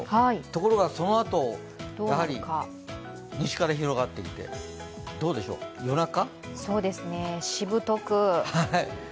ところが、そのあと、西から広がってきて、どうでしょう、夜中？